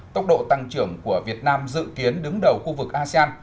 tốc độ tăng trưởng của việt nam dự kiến đứng đầu khu vực asean